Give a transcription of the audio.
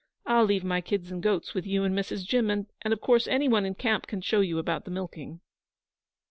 I'll leave my kids and goats with you and Mrs. Jim; and, of course, any one in camp can show you about the milking.'